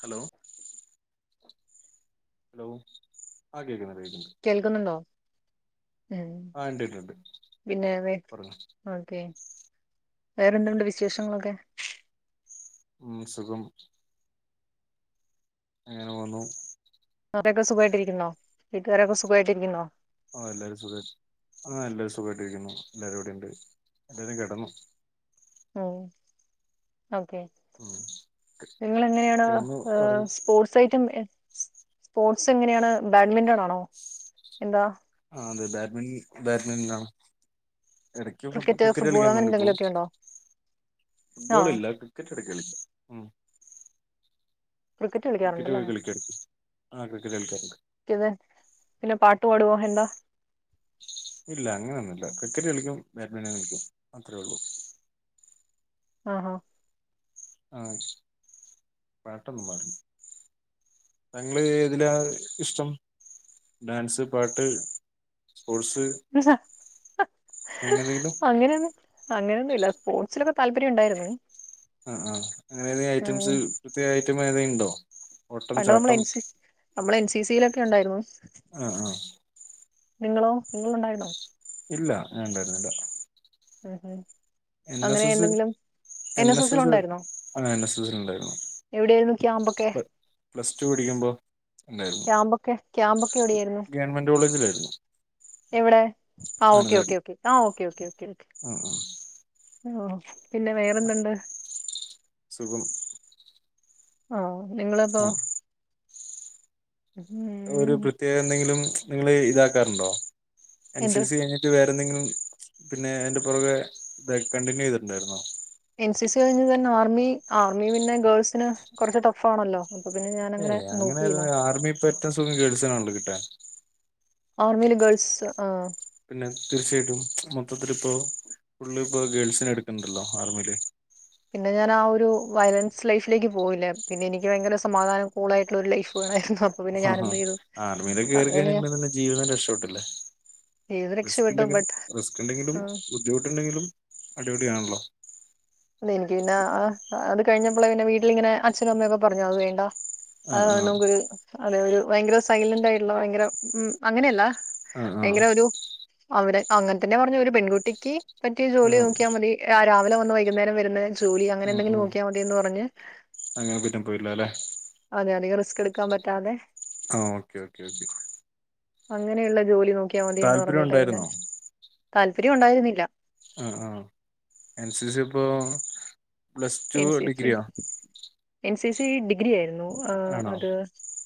Hello hello ആഹ് കേൾക്കുന്നുണ്ട് കേക്ക്‌ണ്ട് കേൾക്കുന്നുണ്ടോ ഏഹ് ആ ഉണ്ട് ഉണ്ട് ഉണ്ട് പിന്നെ [unintelligible] പറഞ്ഞോ ഓക്കേ വേറെന്തുണ്ട് വിശേഷങ്ങളൊക്കെ ഉം സുഖം. അങ്ങനെ പോവുന്നു. [unintelligible] ക്കെ സുഖായിട്ടിരിക്കുന്നോ വീട്ടുകാരൊക്കെ സുഖായിട്ടിരിക്കുന്നോ. ആഹ് എല്ലാരും സുഖായി ആഹ് എല്ലരും സുഖായിട്ട് ഇരിക്കുന്നു എല്ലാരും ഇവിടെ ഉണ്ട് എല്ലാരും കിടന്നു. ഉം ഓക്കെ. ഉം നിങ്ങള് എങ്ങനെയാണ് കിടന്നു ഉറങ്ങി സ്പോർട്സ്. [unintelligible] സ്പോർട്സ് എങ്ങനെയാണ് ബാഡ്മിന്റൺ ആണോ എന്താ. ആഹ് അതെ ബാഡ്മിൻ ബാഡ്മിന്റൺ ആണ്. എടക്ക് ഫു ക്രിക്കറ്റ് ഫുട്ബോൾ കളിക്കാൻ അങ്ങനെ വന്ന് പോവും. എന്തെങ്കിലുമൊക്കെ ഉണ്ടോ ആ ഫുട്ബോൾ ഇല്ല. ക്രിക്കറ്റ് കളിക്കല്ലേ ഉം ക്രിക്കറ്റ് ക്രിക്കറ്റൊക്കെ കളിക്കാറുണ്ടല്ലേ കളിക്കാർ ആഹ് ക്രിക്കറ്റ് കളിക്കാറ്ണ്ട്. പിന്നെ പാട്ടു പാടുവോ എന്താ ഇല്ല അങ്ങനെയൊന്നും ഇല്ല. ക്രിക്കറ്റ് കളിക്കും ബാഡ്മിന്റൺ കളിക്കും അത്രേ ഉള്ളൂ. ആഹ് ആഹ് ശ പട്ടൊന്നും പാടൊ [unintelligible] ഏതിലാ ഇഷ്ടം. ഡാൻസ്, പാട്ട്, സ്പോർട്സ്. [unintelligible] അങ്ങനെ എന്തെങ്കിലും അങ്ങനെയൊന്ന്. അങ്ങനൊന്നുല്ല സ്പോട്സിലൊക്കെ താല്പര്യം ഉണ്ടായിര്ന്നു. ആഹ് ആഹ് അങ്ങനേതേ ഐറ്റംസ് പ്രത്യക ഐറ്റം ഏതെങ്കിം ണ്ടോ. പണ്ട് അമ്മള് എൻ സി അമ്മള് എൻ സി സിയിലൊക്കെ ഉണ്ടായ്രുന്നു. ആഹ് ആഹ് നിങ്ങളോ നിങ്ങളുണ്ടായിന്നോ. ഇല്ല ഞാണ്ടായിര്ന്നില്ല ഉം ഉം എൻ അങ്ങനെ എസ് എസ്. എന്തെങ്കിലും എൻ എസ് എസ് ആ എൻ എസ് എസ്നുണ്ടായിരുന്നു. എവിടെയായിരുന്നു ക്യാമ്പൊക്കെ പ്ലസ് ടു പടിക്കുമ്പൊ ഉണ്ടായ്രുന്നു ക്യാമ്പൊക്കെ ക്യാമ്പൊക്കെ എവിടെയായിരുന്നു ഗവൺമെന്റ് കോളേജിലായിരുന്നു. എവിടെ ആഹ് ഓക്കേ ഓക്കേ ആഹ് ഓക്കേ ഉം ഉം ഓഹ് പിന്നെ വേറെന്തുണ്ട്. സുഖം. ഓഹ് നിങ്ങളതോ. ആഹ് ഒരു ഉം പ്രത്യേക എന്തെങ്കിലും നിങ്ങൾ ഇതാക്കാറ്ണ്ടോ എൻ എന്ത് സി സി കയ് ട്ട് വേറെന്തെങ്കിലും പിന്നെ അയ്ന്റെ പൊറകെ കണ്ടിന്യൂ ചെയ്തിട്ടുണ്ടായിര്ന്നോ. എൻ സി സി കഴിഞ്ഞു തന്നെ ആർമി ആർമി പിന്നെ ഗേൾസിന് കൊറച്ച് ടഫ് ആണല്ലോ. അപ്പൊ പിന്നെ ഞാ ഏഹ് അങ്ങനെ ആർമി പറ്റ സുഖം ഗേൾസ്നാണല്ല കിട്ടാ ആർമീല് ഗേൾസ് ആഹ് പിന്നെ തീർച്ചയായിട്ടും മൊത്തത്തില് ഇപ്പൊ ഫുള്ള് ഇപ്പൊ ഗേൾസിനെ എട്ക്ക്ണ്ടല്ലോ ആർമിയില്. പിന്നെ ഞാൻ ആ ഒരു വയലൻസ് ലൈഫിലേക്ക് പോയില്ല. പിന്നെ എനിക്ക് ഭയങ്കര സമാധാന കൂളായിട്ടുള്ള ഒരു ലൈഫ് വേണായിരുന്നു. ആഹ് ആർമിയില് കേറിക്കയ്ന് ന്ന്ണ്ടെങ്കി ജീവിതം രക്ഷട്ടില്ലേ. ജീവിതം രക്ഷപ്പെട്ടു റിസ്ക്ണ്ടെങ്കിലും ബട്ട് റിസ്ക്ണ്ടെങ്കിലും ബുദ്ധിമുട്ട്ണ്ടെങ്കിലും അടിപൊളിയാണല്ലോ. [unintelligible] അത് കഴിഞ്ഞപ്പ്ളാ പിന്നെ വീട്ടിലിങ്ങനെ അച്ഛനു അമ്മയൊക്കെ പറഞ്ഞു അത് വേണ്ട. ആഹ് നമുക്ക് ഒരു അതെ ഒരു ഭയങ്കര സൈലന്റ് ആയിട്ട്ള്ള ഭയങ്കര ഉം അങ്ങനെയല്ല. ആഹ് ഭയങ്കര ആഹ് ഒരു അവിടെ അങ്ങൻ തന്നെ പർഞ്ഞ ഒരു പെൺകുട്ടിക്ക് പറ്റിയ ജോലി ആഹ് നോക്കിയാ മതി. രാ രാവിലെ വന്ന് വൈകുന്നേരം വര്ന്ന ജോലി അങ്ങനെ ഉം എന്തെങ്കിലും ഉം നോക്കിയാ മതീന്ന് പറഞ്ഞ്. അങ്ങനെ പിന്നെ പോയില്ല അല്ലെ അതെ അധികം റിസ്ക് എടുക്കാൻ പറ്റാതെ. ആഹ് ഓക്കെ ഓക്കെ ഓക്കെ അങ്ങനെയുള്ള ജോലി നോക്കിയാ മതീന്ന് താല്പര്യം പർഞ്ഞിട്ട് പിന്നെ ഉണ്ടായിരുന്നോ താല്പര്യം ഉണ്ടായിരുന്നില്ല ആഹ് ആഹ് എൻ സി സി ഇപ്പോ plus two N C C ഡിഗ്രിയാ എൻ സി സി ഡിഗ്രി ആയിരുന്നു ആണോ അത്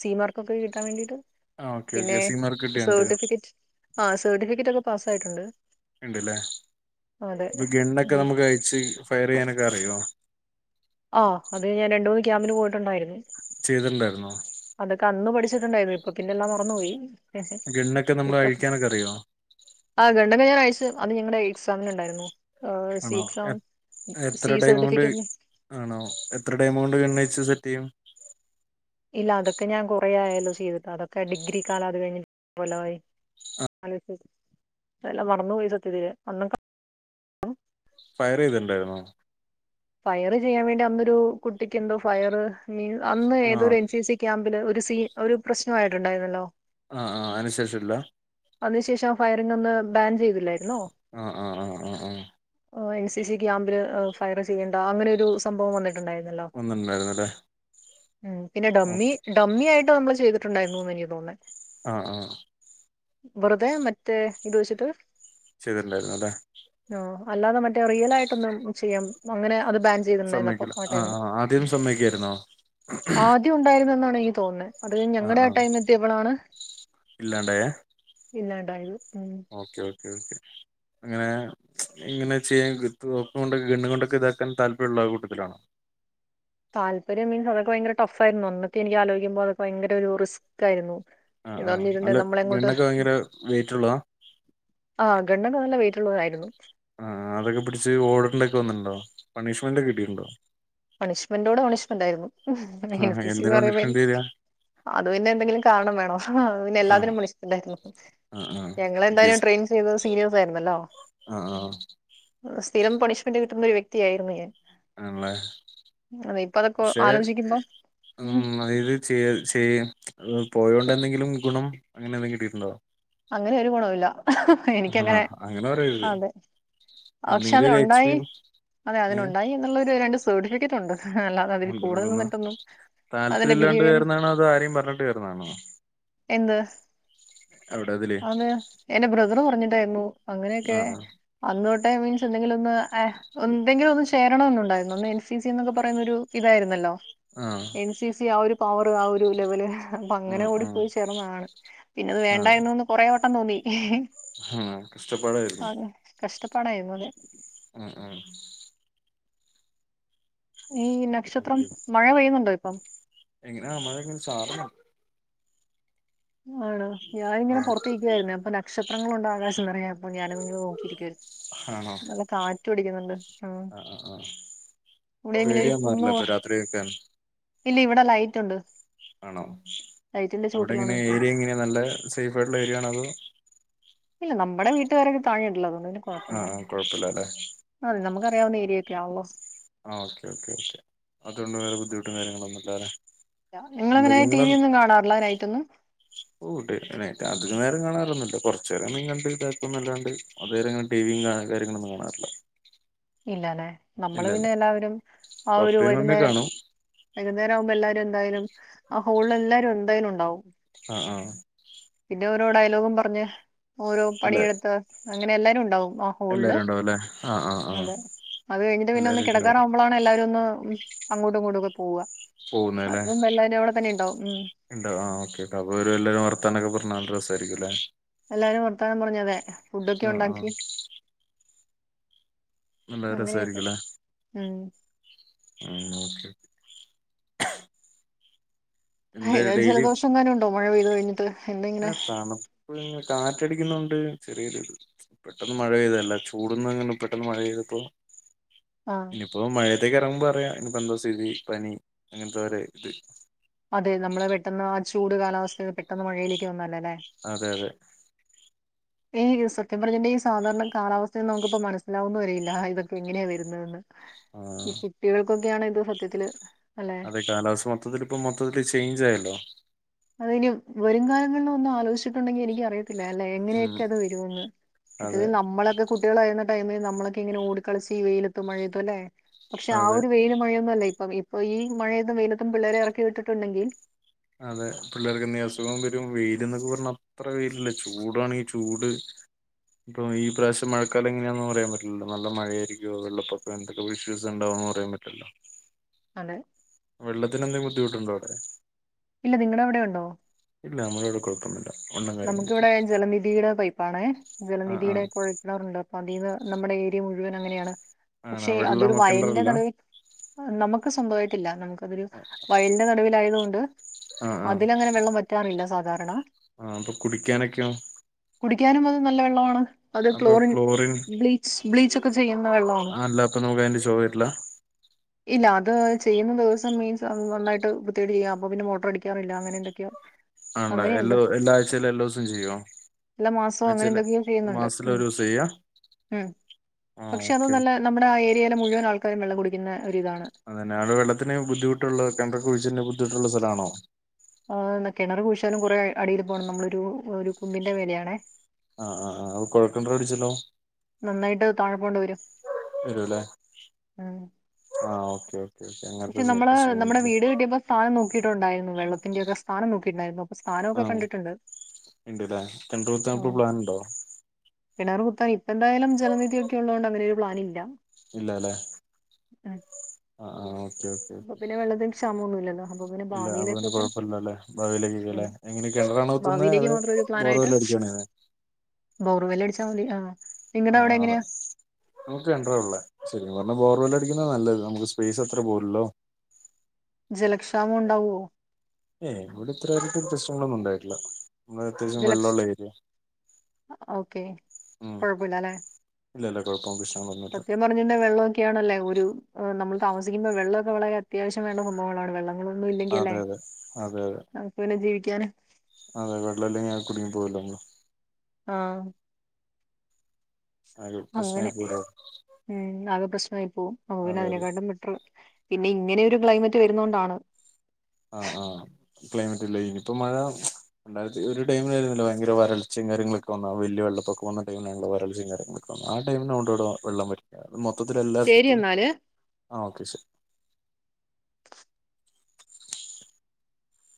സി മാർക്ക്ക്കെ കിട്ടാൻ വേണ്ടിട്ട് ആഹ് ഓക്കെ പിന്നെ ഓക്കെ സി മാർക്ക് കിട്ടിയിട്ടുണ്ട് സർട്ടിഫിക്കറ്റ് ആ സർട്ടിഫിക്കറ്റ് ഒക്കെ പാസ്സായിട്ടുണ്ട് ഇണ്ടല്ലേ അതെ ഇപ്പൊ ഗണ്ണൊക്കെ ഈ- നമുക്ക് അയച്ച് ഫയർ ചെയ്യാനൊക്കെ അറിയോ? ആഹ് അത് ഞാൻ രണ്ട് മൂന്ന് ക്യാമ്പിന് പോയിട്ടുണ്ടായിരുന്നു ചെയ്തിട്ടുണ്ടായിരുന്നോ? അതൊക്കെ അന്ന് പഠിച്ചിട്ടുണ്ടായിരുന്നു ഇപ്പൊ പിന്നെല്ലാം മറന്നുപോയി ഗെണ്ണൊക്കെ നമ്മള് അഴിക്കാനൊക്കെ അറിയോ? ആഹ് ഗണ്ണക്കെ ഞാനഴിച്ച് അത് ഞങ്ങടെ എക്സാമിനുണ്ടായിരുന്നു ആഹ് സി ആണോ എക്സാമ് എത്ര സി ടൈം കൊണ്ട് സർട്ടിഫിക്കറ്റ് ആണോ എത്ര ടൈമോണ്ട് ഗണ്ണഴിച്ച് സെറ്റ് ചെയ്യും? ഇല്ല അതൊക്കെ ഞാൻ കുറെേ ആയല്ലോ ചെയ്തിട്ട് അതൊക്കെ ഡിഗ്രി ക്കാല അത് കഴിഞ്ഞിട്ട് എത്ര കൊല്ലവായി [unintelligible] ഇപ്പെല്ലാം മറന്നു പോയി സത്യത്തില് അന്നൊക്കെ ഫയർ ചെയ്തിട്ട്ണ്ടായിരുന്നോ? ഫയർ ചെയ്യാൻ വേണ്ടി അന്നൊരു കുട്ടിക്ക് എന്തോ ഫയർ മീൻസ് അന്ന് ഏതോ ആഹ് ഒരു എൻ സി സി ക്യാമ്പില് ഒരു സീൻ ഒരു പ്രശ്നവായിട്ടുണ്ടായിരന്നല്ലോ? ആഹ് ആഹ് അയിനു ശേഷവില്ല അതിനുശേഷം ആ ഫയറിംങ്ങൊന്ന് ബാൻ ചെയ്തില്ലായിരുന്നോ ആഹ് ആഹ് ആഹ് ആഹ് ഓ എൻ സി സി ക്യാമ്പില് ഫയർ ചെയ്യേണ്ട അങ്ങനെ ഒരു സംഭവം വന്നിട്ടുണ്ടായിരുന്നല്ലോ? വന്ന്ണ്ടായിരുന്നു ല്ലേ? ഉം പിന്നെ ഡമ്മി ഡമ്മി ആയിട്ട് നമ്മള് ചെയ്തിട്ടുണ്ടായിരുന്നുന്ന് എനിക്ക് തോന്നുന്നെ ആഹ് ആഹ് വെറ്തെ മറ്റേ ഇത് വെച്ചിട്ട് ചെയ്തിട്ട്ണ്ടായിരുന്നു ല്ലേ? ആഹ് അല്ലാതെ മറ്റേ റിയലായിട്ടൊന്നും ചെയ്യാം പ അങ്ങനെ അത് ബാൻ ചെയ്തിട്ട്ണ്ടായിരുന്നു അപ്പ സമ്മതിക്കില്ല ആ ആഹ് ടൈമില് ആഹ് ആദ്യം സമ്മതിക്കായിരുന്നോ ആദ്യ ഉണ്ടായിരുന്നു എന്നാണ് എനിക്ക് തോന്നുന്നേ അത് കഴിഞ്ഞ് ആഹ് ഞങ്ങടെ ആ ആഹ് ടൈം എത്തിയപ്പളാണ് ഇല്ലാണ്ടായേ? ഇല്ലാണ്ടായത് ഉം ഓക്കെ ഓക്കെ ഓക്കെ അങ്ങനെ ഇങ്ങനെ ചെയ്യാം [unintelligible] കൊണ്ടൊക്കെ ഗണ്ണു കൊണ്ടൊക്കെ ഇതാക്കാൻ താല്പര്യമുള്ള ആ കൂട്ടത്തിലാണോ? താല്പര്യം മീൻസ് അതൊക്കെ ഭയങ്കര ടഫ് ആയിരുന്നു അന്നക്കെ എനിക്ക് ആലോചിക്കുമ്പോ അതൊക്ക ഭയര ഒരു റിസ്ക്കായിരുന്നു ആഹ് ആ് അല്ല ഗണ്ണക്കെ ഭയങ്കര വെയിറ്റ് ഉള്ളതാ? ആഹ് ഗണ്ണൊക്കെ നല്ല വെയ്റ്റുള്ളത് ആയിരുന്നു ആഹ് അതൊക്കെ പിടിച്ച് ഓടെണ്ടി ഒക്കെ വന്നിട്ട്ണ്ടോ? പണീഷ്മെന്റ് ഒക്കെ കിട്ടിയിട്ടുണ്ടോ? പണിഷ്മെന്റോടെ പണിഷ്മെന്റ് ആയിരുന്നു എൻ ആഹ് സി സിന്ന് എന്തിനാ പറയുമ്പം എ പണിഷ്മെന്റ് തരാ അത് പിന്നെ എന്തെങ്കിലും കാരണം വേണോെ അത് പിന്നെ ആഹ് എല്ലാത്തിനും പണീഷ്മെന്റായിരുന്നു ആഹ് ആഹ് ഞങ്ങളെന്തായാലും ബിസ് ട്രെയിൻ ചെയ്തത് സീനിയേഴസ് ആയിരുന്നല്ലോ ആഹ് ആഹ് സ്ഥിരം പണിഷ്മെന്റ് കിട്ടുന്ന ഒരു വ്യക്തിയായിരുന്നു ഞാൻ ആണല്ലേ? അതെ ഇപ്പൊ അതൊക്കെ പക്ഷെ ആലോചിക്കുമ്പോ ഉം അതായത് ചെയ്യ ചെയ്യ പോയോണ്ട് എന്തെങ്കിലും ഗുണം അങ്ങനെ എന്തെങ്കിലും കിട്ടിയിട്ടുണ്ടോ? അങ്ങനെ ഒരു ഗുണവുല്ല ആണോ എനിക്കങ്ങനെ അങ്ങനെ പറയരുത് അതെ പക്ഷെ എന്തെങ്കിലും ഒരു അതിനുണ്ടായി എക്സ്പീരിയൻസ് അതെ ഏഹ് അതിനുണ്ടായി എന്നുള്ളൊരു രണ്ട് സർട്ടിഫിക്കറ്റ് ഉണ്ട് അല്ലാതെ അതിൽ കൂടുതൽ അൽഹംദുലില്ലാ മറ്റൊന്നും താല്പര്യം ഇല്ലാണ്ട് ചേർന്നാണോ അതോ ആരെയും പറഞ്ഞിട്ട് ചേർന്നാണോ? എന്ത് എവിടെ ഇതില് അത് എന്റെ ബ്രദറ് പറഞ്ഞിട്ടായിരുന്നു അങ്ങനെയൊക്കെ ആഹ് അന്ന്തൊട്ടെ മീൻസ് എന്തെങ്കിലും ഒന്ന് [unintelligible] എന്തെങ്കിലും ഒന്ന് ചേരണന്നുണ്ടായിരുന്നു അന്ന് എൻ സി സി ന്നൊക്കെ പറയുന്ന ഒരു ഇതായിരുന്നല്ലോ ആഹ് എൻ സി സി ആ ഒരു പവറ് ആ ഒരു ലെവല് അപ്പ ഉം അങ്ങനെ ഓടി ഉം പോയി ചേർന്നതാണ് പിന്നെ അത് വേ ആഹ് കുറേവെട്ടം തോന്നി ആഹ് കഷ്ടപ്പാടായിരുന്നൊ കഷ്ടപ്പാടായിരുന്നു അതെ ഉം ഉം ഈ നക്ഷത്രം ഓക്കെ മഴ പെയ്യുന്നുണ്ടോ ഇപ്പം എങ്ങനാ മഴ ഇങ്ങനെ ചാറുന്നുണ്ട് ആണോ ഞാനിങ്ങനെ ആഹ് പുറത്തിരിക്കുവായിരുന്നേ അപ്പൊ നക്ഷത്രങ്ങള് കൊണ്ട് ആകാശം നിറയെ അപ്പൊ ഞാനതിങ്ങനെ നോക്കിയിരിക്കുവാരുന്നു ആണോ നല്ല കാറ്റും അടിക്കുന്നുണ്ട് ഉം ആ ആ [unintelligible] ഇല്ല ഇവിടെ ലൈറ്റ് ഉണ്ട് ആണോ ലൈറ്റിന്റെ ചുവട്ടിലാണ് അവിടെങ്ങനെ നിൽക്കുന്നത് ഏരിയ എങ്ങനാ നല്ല സേഫ് ആയിട്ടുള്ള ഏരിയ ആണോ അതോ ഇല്ല നമ്മടെ വീട്ടുകാരൊക്കെ താഴേ ഉണ്ടല്ലോ അതുകൊണ്ട് പിന്നെ ആ കൊഴപ്പില്ല ആ കുഴപ്പമില്ല അല്ലെ അതെ നമ്മുക്ക് അറിയാവുന്ന ഏരിയൊക്കെ ആണല്ലോ ആഹ് ഓക്കെ ഓക്കെ ഓക്കെ അതുകൊണ്ട് വേറെ ബുദ്ധിമുട്ടും കാര്യങ്ങളൊന്നും ഇല്ലാലെ നിങ്ങളങ്ങനെ ടി വി ഒന്നും കാണാറില്ല നൈറ്റൊന്നും ഓ അതിക നേരം കാണാറൊന്നുമില്ല കുറച്ച്നേരം എന്തെങ്കിലുംകണ്ട് [unintelligible] ന്നല്ലാണ്ട് അതുവരെ അങ്ങനെ ടി വി യും കാര്യങ്ങളൊന്നും കാണാറില്ല ഇല്ലാല്ലെ നമ്മള് ഇല്ല ഇല്ല പിന്നെ എല്ലാവരും ആ ഒരു പപ്പയും മമ്മിയും വൈകുന്നേരം കാണും വൈകുന്നേരം ആകുമ്പോ എല്ലാരും എന്തായാലും ആ ഹോളിൽ എല്ലാവരും എന്തായാലും ഉണ്ടാവും ആഹ് ആഹ് പിന്നെ ഓരോ ഡയലോഗും പറഞ്ഞ് ഓരോ അല്ല പണിയെടുത്ത് അങ്ങനെ എല്ലാരും ഉണ്ടാവും ആഹ് എല്ലാരും ഉണ്ടാവും അല്ലേ ആ ആ ആ അതെ അത് കഴിഞ്ഞിട്ട് പിന്നെ ഒന്ന് എല്ലാരും ഉണ്ടാവും കിടക്കാറാവുമ്പോളാണ് എല്ലാരും ഒന്ന് ഉം അങ്ങോട്ടും ഇങ്ങോട്ടും ഒക്കെ പോവുക അതിനുമുമ്പ് എല്ലാവരും അവിടെ തന്നെ ഉണ്ടാവും ഉം ഉണ്ടോ ആഹ് ഓക്കെ അപ്പൊ ഒരു എല്ലാരും വർത്താനൊക്കെ പറഞ്ഞു നല്ല രസായിരിക്കും അല്ലേ എല്ലാരും വർത്താനം പറഞ്ഞതെ ഫുഡൊക്കെ ആ ആ ഉണ്ടാക്കി നല്ല അങ്ങനെയൊക്കെ രസായിരിക്കുംലേ ഉം ആഹ് ഓക്കെ എന്താ [unintelligible] ഡെയിലി ജലദോഷങ്ങാനും ഉണ്ടോ മഴ പെയ്ത് കഴിഞ്ഞിട്ട് എന്താ ഇങ്ങനെ ഏഹ് തണുപ്പ് ഇങ്ങനെ കാറ്റടിക്കുന്നുണ്ട് ചെറിയൊരു ഇത് പെട്ടന്ന് മഴ പെയ്തല്ല ചൂട്ന്ന് അങ്ങനെ പെട്ടെന്ന് മഴ പെയ്തപ്പോ ആഹ് അപ്പൊ മഴയത്തേക്ക് ഇറങ്ങുമ്പോൾ അറിയാ ഇനിപ്പോ എന്താ സ്ഥിതി പനി അങ്ങനത്തെ ഒരു ഇത് അതെ നമ്മള് പെട്ടെന്ന് ആ ചൂട് കാലാവസ്ഥന്ന് പെട്ടെന്ന് മഴയിലേക്ക് വന്നല്ലേ ല്ലേ അതെ അതെ ഏഹ് സത്യം പറഞ്ഞാ ഈ സാധാരണ കാലാവസ്ഥ നമ്മുക്കിപ്പോ മനസ്സിലാവുന്ന് വരെയില്ല ഇതൊക്കെ എങ്ങനെയാ വരുന്നതെന്ന് ആ ഈ കുട്ടികൾക്കൊക്കെയാണ് ഇത് സത്യത്തില് അല്ലെ അതെ കാലാവസ്ഥ മൊത്തത്തിൽ ഇപ്പം മൊത്തിത്തില് ചേഞ്ച് ആയല്ലോ അതിനും വരും കാലങ്ങളിൽ ഒന്നും ആലോചിച്ചിട്ടുണ്ടെങ്കിൽ എനിക്ക് അറിയ [unintelligible] ഉം എങ്ങനെയൊക്കെ അത് വരൂന്ന് മറ്റേത് അതെ നമ്മളൊക്കെ കുട്ട്യേളായിര്ന്ന ടൈമില് നമ്മളക്കിങ്ങനെ ഓടി കളിച്ച് ഈ വെയിലെത്തും മഴയെത്തുംല്ലെ പക്ഷെ അതെ ഒരു വെയില മഴയൊന്നല്ല ഇപ്പം ഇപ്പൊ ഈ മഴയതും വെയിലത്തും പിള്ളേരെ എറക്കി വിട്ടിട്ടുണ്ടെങ്കി അതെ പിള്ളേർക്ക് എന്തേ അസുഖം വെരും വെയില് ന്നൊക്കെ പറഞ്ഞ അത്ര വെയിലല്ലേ ചൂടാണെങ്കി ചൂട് പ്പൊ ഈ പ്രാവശ്യ മഴക്കാലം എങ്ങനെന്ന് പറയാൻ പറ്റില്ലല്ലോ നല്ല മഴയായിരികോ വെള്ളപ്പൊക്കെന്ത് വിശ്വസ്ണ്ടവുന്ന് പറയാൻ പറ്റില്ലല്ലോ. അതെ വെള്ളത്തിനെന്തെ ബുദ്ധിമുട്ടുണ്ടോ അവടെ ഇല്ല നിങ്ങടവടെ ഉണ്ടോ? ഇല്ല നമ്മളെവടെ കൊഴപ്പൊന്നുല്ല. നമക്കിവടെ ജലനിധിയുടെ പൈപ്പാണേ ആ ആ ജലനിധിയുടെ കുഴ ണ്ണറുണ്ട് അപ്പൊ അതിന്ന് നമ്മടെ ഏരിയ മുഴുവൻ അങ്ങനെയാണ് ആണോ പക്ഷെ അതൊരു വെള്ളം വയലിന്റെ കിണറല്ല നടുവി നമക്ക് സ്വന്തവായിട്ടില്ല നമക്ക് അതൊരു വയലിന്റെ നടുവിലായതുകൊണ്ട് ആ ആ അതിലങ്ങനെ വെള്ളം വറ്റാറില്ല സാധാരണ ആഹ് അപ്പൊ കുടിക്ക്യാനെക്ക്യോ? കുടിക്കാനും അത് നല്ല വെള്ളമാണ്. അത് ക്ലോറിൻ ബ്ലീച്ച് ബ്ലീച്ചൊക്കെ ചെയ്യുന്ന വെള്ളമാണ്. അല്ല അപ്പൊ നമുക്ക് അതിന്റെ ചൊവ വരില്ല ഇല്ല അത് ചെയ്യുന്ന ദിവസം മീൻസ് അത് നന്നായിട്ട് വൃത്ത്യായിട്ടെയ്യാം അപ്പൊ പിന്നെ മോട്ടറടിക്കാറില്ല അങ്ങനെ എന്തെക്ക്യോ ആണ്ടേ എല്ലോ എല്ലാ ആഴ്ചയിലും എല്ലോസും ചെയ്യോ? എല്ല മാസോം ആഴ്ചയില് അങ്ങനെന്തെക്ക്യോ ചെയ്യുന്നുണ്ട് മാസത്തില് ഉം ഒരു ദിവസം ചെയ്യാ ഉം ആ പക്ഷെ അത് ഓക്കെ നല്ല നമ്മടെ ആ ഏരിയയിലെ മുഴുവൻ ആൾക്കാരും വെള്ളം കുടിക്കുന്ന ഒരിതാ അതെന്നെ അവടെ വെള്ളത്തിന് ബുദ്ധിമുട്ടുള്ള കെൺര്രൊക്കെ കുഴിച്ച്‌ട്ണ ബുദ്ധിമുട്ടുള്ള സ്ഥലാണോ? ആണ് കിണറ് കുഴിച്ചാലും കുറെ അടിയില് പോണം നമ്മളൊരു ഒരു കുന്നിന്റെ മേലേയാണേ. ആഹ് ആഹ് ആഹ് അപ്പോ കൊഴകെണറടിച്ചല്ലോ നന്നായിട്ട് താഴെ പോവേണ്ടി വരും. വെരൂല്ലേ ഉം ആഹ് ഓക്കെ ഓക്കെ ഓക്കെ പക്ഷെ നമ്മള് അങ്ങൻത്ത നമ്മുടെ വീട് [unintelligible] [unintelligible] കിട്ടിയപ്പോ സ്ഥാനം നോക്കിട്ടുണ്ടായിരുന്നു വെള്ളത്തിൻ്റ്യൊക്കെ സ്ഥാനം നോക്കിട്ട്ണ്ടായിരുന്നു അപ്പോ സ് ആഹ് ഇണ്ട്ല്ലേ കെൺര്രുത്താൻ ഇപ്പോ പ്ലാനുണ്ടോ? കെണറ് കുത്താൻ ഇപ്പെന്തായാലും ജലനിധിയൊക്ക്യള്ളോണ്ട് അങ്ങനൊരു പ്ലാനില്ല. ഇല്ല ല്ലേ ആഹ് ആഹ് ഓക്കെ ഓക്കെ അപ്പൊ പിന്നെ വെള്ളത്തിന് ക്ഷാമൊന്നുമില്ലല്ലോ അപ്പൊ പിന്നെ ഇല്ല അതോണ്ട് ഭാവിയിലേക്കൊക്കെ കൊഴപ്പല്ല ല്ലേ ഭവിയില് [unintelligible] ഇടാം അങ്ങനെ കെണറാണോത്തുന്ന ഭാവിയിലേക്ക് അതൊരു മാത്രം ബോർവെല്ലടിക്ക [unintelligible] ബോർവല്ലാടിച്ചാമതി ആഹ് നിങ്ങടെ അവിടെ ആഹ് അതെ എങ്ങനെയാ നമക്ക് കണ്ടതള്ളെ ശെരി നമ്മ ബോർവെല്ലടിക്കുന്ന നല്ലത് നമക്ക് സ്പേസത്ര പോരല്ലോ ജലക്ഷാമണ്ടാവോ? ഏഹ് ഇവടെ ഇത്ര വെരെയായിട്ടും പ്രശ്നങ്ങളൊന്നുണ്ടായിട്ടില്ല. നമ്മ അത്യാവശ്യം ജലക്ഷ വെള്ള ള്ളെരിയ ഓക്കെ ഉം കുഴപ്പമില്ല ഇല്ല ല്ല കൊഴപ്പം പ്രശ്നങ്ങ കൊഴപ്പൊന്ന [unintelligible] ന്റെ വള്ളൊക്കാണല്ലേ ഒരു എഹ് നമ്മൾ താമസിക്കുമ്പ വെള്ളൊക്കെ വളരെ അത്യാവശ്യ വേണ്ട സംഭവങ്ങളാണ് വെള്ളം അതൊന്നുല്ലെങ്കില്ലേ അതെ അതെ അതെ അതെ നമക്ക് വടെ ജീവിക്കാന്. അതെ തെ വെള്ളല്ലാഞ്ഞാ ആകെ കുടുങ്ങി പോവൊല്ലോ [unintelligible] ആഹ് ആകെ അങ്ങനെ പ്രശ്നായി പോവല്ലോ ഉം ആകെ പ്രശ്നമായി പോവും അുവിന അതെ അതെ അതിനെക്കാട്ടും പെട്ട പിന്നെ ഇങ്ങനെൊ ഒരു ക്ലൈമറ്റ് വരുന്ന കൊണ്ടാണ് ആഹ് ആഹ് ക്ലൈമറ്റ് ഇല്ല ഇനിപ്പ മഴ രണ്ടായിരത്തി ഒരുടൈമില ആരുന്നില്ല ഭയര വരൾച്ചയും കാര്യങ്ങളൊക്കെന്നാ വെള്ളപ്പൊക്കെ പോന്നടൈമിലുള്ള വരൾച്ചയും കാര്യങ്ങളക്കെ ആ ടൈമിനകൊണ്ട് ഇവിടെ വെള്ളം വരിക്കുക അ മൊത്തത്തിൽ ശരി എല്ലായിടത്തും എന്നാല് ആ ഓക്കെ ശരി